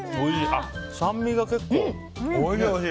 酸味が結構。